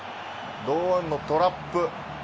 堂安のトラップ。